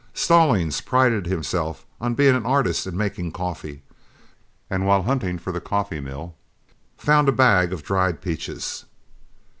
Stallings prided himself on being an artist in making coffee, and while hunting for the coffee mill, found a bag of dried peaches.